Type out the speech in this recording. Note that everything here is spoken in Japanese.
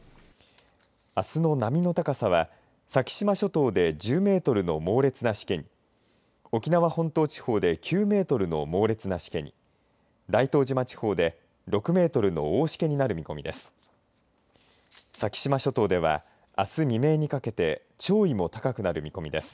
あすの波の高さは先島諸島で１０メートルの猛烈なしけに沖縄本島地方で９メートルの猛烈なしけに大東島地方で６メートルの大しけになる見込みです。